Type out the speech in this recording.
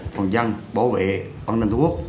phòng dân bảo vệ quan tâm thuốc